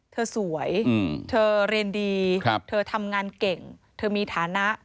สวยเธอเรียนดีเธอทำงานเก่งเธอมีฐานะ